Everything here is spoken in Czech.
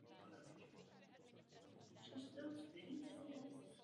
V průběhu druhé světové války podporoval Mussoliniho režim a v Radio Roma propagoval fašismus.